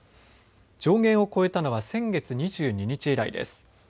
上限を超えたのは先月２２日以来です。